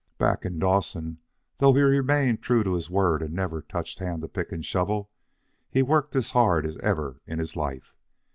Back in Dawson, though he remained true to his word and never touched hand to pick and shovel, he worked as hard as ever in his life.